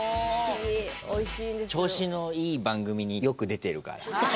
調子のいい番組によく出てるから。